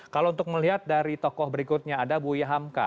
kalau untuk melihat dari tokoh berikutnya ada buya hamka